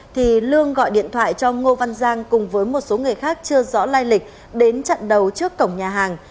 thì lương gọi điện thoại cho ngô văn giang cùng với một số người khác chưa rõ lai lịch đến chặn đầu trước cổng nhà hàng